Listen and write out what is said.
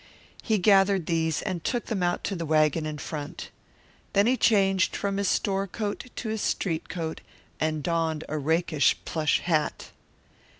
He gathered these and took them out to the wagon in front. Then he changed from his store coat to his street coat and donned a rakish plush hat.